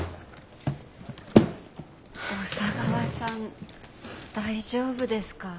小佐川さん大丈夫ですか？